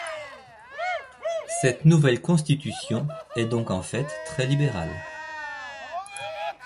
Cette nouvelle Constitution est donc en fait très libérale.